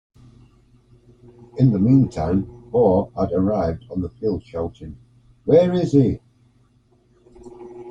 In the meantime, Baugh had arrived on the field shouting 'Where is he?